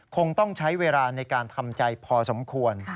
คงต้องใช้เวลาในการทำใจพอสมควร